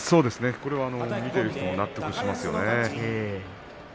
見ている人も納得しますよね。